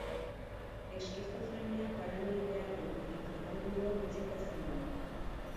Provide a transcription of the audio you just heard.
Eskizofrenia paranoidea du, eta tratamendua utzita zuen.